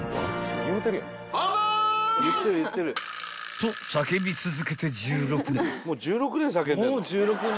［と叫び続けて１６年］